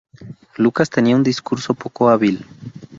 Lucas tenía un discurso poco hábil.